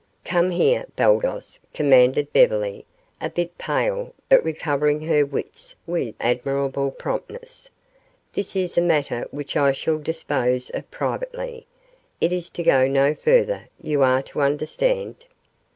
"Come here, Baldos," commanded Beverly, a bit pale, but recovering her wits with admirable promptness. "This is a matter which I shall dispose of privately. It is to go no further, you are to understand."